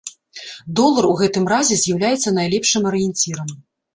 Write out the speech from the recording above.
Долар у гэтым разе з'яўляецца найлепшым арыенцірам.